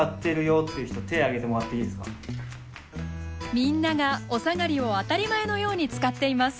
みんながおさがりを当たり前のように使っています。